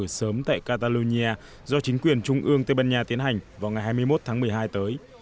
sớm tại catalonia do chính quyền trung ương tây ban nha tiến hành vào ngày hai mươi một tháng một mươi hai tới